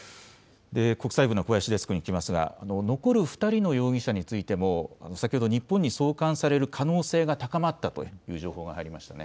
国際部の小林デスクに聞きますが残る２人の容疑者についても先ほど日本に送還される可能性が高まったという情報が入りましたね。